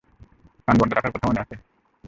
কান বন্ধ রাখার কথা মনে আছে?